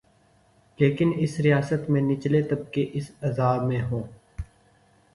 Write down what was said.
لیکن اس ریاست میں نچلے طبقات اس عذاب میں ہوں۔